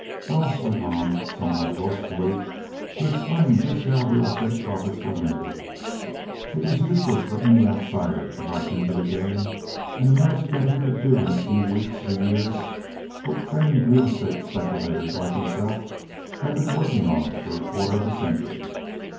Ross went on, somewhat boastfully, to explain just how real estate profits were made. It was useless for any outsider to rush into the game, and imagine that he could do in a few weeks or years what trained real estate speculators like himself had been working on for a quarter of a century.